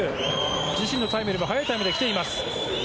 自身のタイムよりも早いタイムできています。